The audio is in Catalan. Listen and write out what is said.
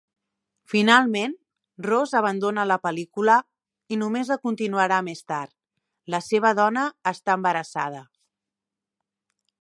Finalment Ross abandona la pel·lícula i només la continuarà més tard: la seva dóna està embarassada.